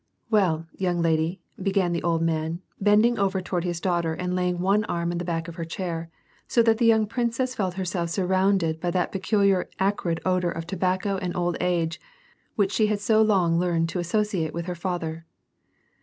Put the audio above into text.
" Well, young lady," ♦ began the old man, bending over toward his daughter and laying one arm on the back of her chair, so that the young princess felt herself surrounded by that pecul iar acrid odor of tobacco and old age which she had so long learned to associate with her father.